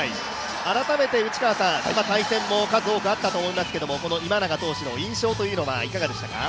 改めて対戦も数多くあったと思いますがこの今永投手の印象というのはいかがでしたか。